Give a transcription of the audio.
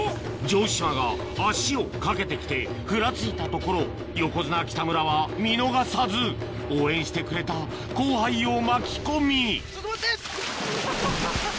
城島が足を掛けて来てふらついたところを横綱北村は見逃さず応援してくれた後輩を巻き込みちょっと待って！